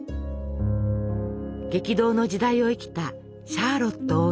激動の時代を生きたシャーロット王妃。